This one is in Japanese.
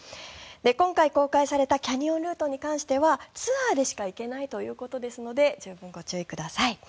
今回公開されたキャニオンルートに関してはツアーでしか行けないということですので十分ご注意ください。